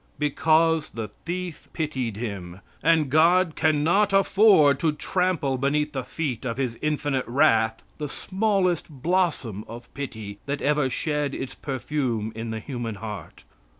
Because the thief pitied Him. And God cannot afford to trample beneath the feet of His infinite wrath the smallest blossom of pity that ever shed its perfume in the human heart!